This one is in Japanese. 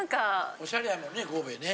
おしゃれやもんね神戸ね。